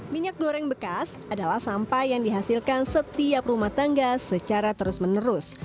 minyak goreng bekas adalah sampah yang dihasilkan setiap rumah tangga secara terus menerus